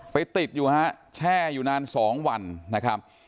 ติดอยู่ฮะแช่อยู่นาน๒วันนะครับ